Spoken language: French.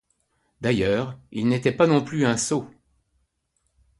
D'ailleurs, il n'était pas non plus un sot.